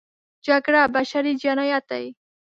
جګړه بشري جنایت دی.